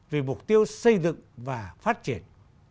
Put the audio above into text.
vì mục tiêu xây dựng và phát triển